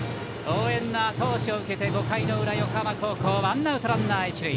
応援のあと押しを受けて５回の裏、横浜高校ワンアウトランナー、一塁。